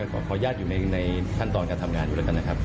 ขออนุญาตอยู่ในขั้นตอนการทำงานอยู่แล้วกันนะครับ